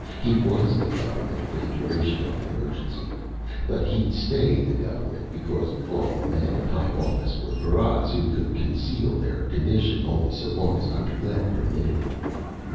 He was the government for the duration of the emergency. But he'd stay the government because all the men in high office were paras who could conceal their condition only so long as Dr. Lett permitted it.